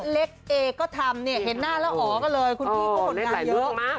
เล็กเอก็ทำเนี่ยเห็นหน้าแล้วอ๋อก็เลยคุณพี่ก็ผลงานเยอะ